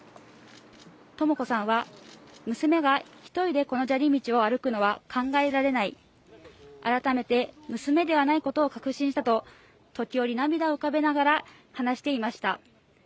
とも子さんは、娘が１人でこの砂利道を歩くのは考えられない改めて娘ではないことを確信したと時折、涙を浮かべながら話していました。